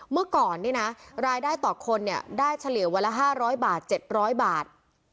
เมื่อก่อนนี่นะรายได้ต่อคนเนี่ยได้เฉลี่ยวันละ๕๐๐บาท๗๐๐บาท